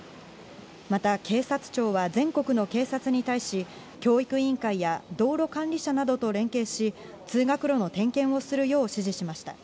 また警察庁は全国の警察に対し、教育委員会や道路管理者などと連携し、通学路の点検をするよう指示しました。